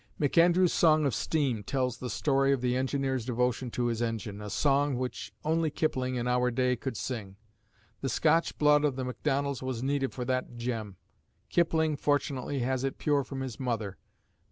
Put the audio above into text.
McAndrew's Song of Steam tells the story of the engineer's devotion to his engine, a song which only Kipling in our day could sing. The Scotch blood of the MacDonalds was needed for that gem; Kipling fortunately has it pure from his mother.